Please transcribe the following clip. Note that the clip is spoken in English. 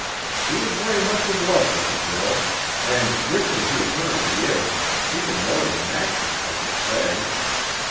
He is very much in love with the girl, and rich as he apparently is, she can more than match him, I should say.